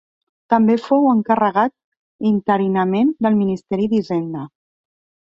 També fou encarregat interinament del Ministeri d'Hisenda.